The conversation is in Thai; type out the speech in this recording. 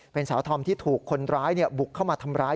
เป็นสาวธอมที่ถูกคนร้ายบุกเข้ามาทำร้าย